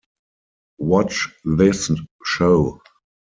Watch this show.